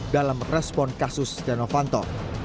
dalam respon kasus setia novanto